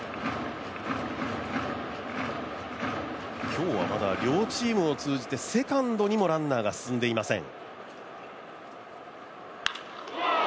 今日はまだ両チームを含めてセカンドにもランナーが進んでいません。